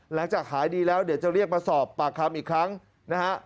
หลังจากหายดีแล้วเดี๋ยวจะเรียกมาสอบปากคำอีกครั้งนะฮะ